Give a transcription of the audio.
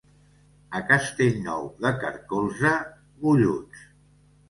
A Castellnou de Carcolze, golluts.